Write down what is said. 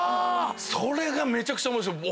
それがめちゃくちゃ面白くて。